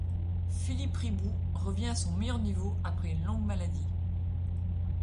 Philippe Riboud, revient à son meilleur niveau après une longue maladie.